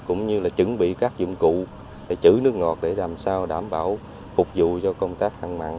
cũng như là chuẩn bị các dụng cụ để chữ nước ngọt để làm sao đảm bảo phục vụ cho công tác hạn mặn